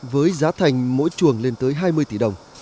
với giá thành mỗi chuồng lên tới hai mươi tỷ đồng